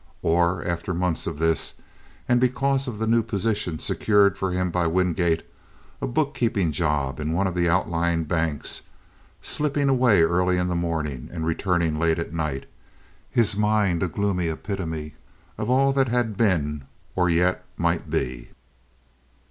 Or, after months of this, and because of the new position secured for him by Wingate—a bookkeeping job in one of the outlying banks—slipping away early in the morning, and returning late at night, his mind a gloomy epitome of all that had been or yet might be.